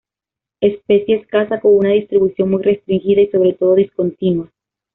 Especie escasa con una distribución muy restringida y sobre todo discontinua.